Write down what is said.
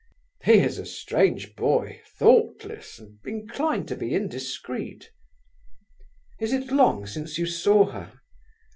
"He is a strange boy, thoughtless, and inclined to be indiscreet." "Is it long since you saw her?"